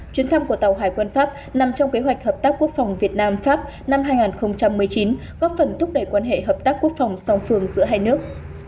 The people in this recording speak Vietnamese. chuyến thăm của tàu hải quân pháp nằm trong kế hoạch hợp tác quốc phòng việt nam pháp năm hai nghìn một mươi chín góp phần thúc đẩy quan hệ hợp tác quốc phòng song phương giữa hai nước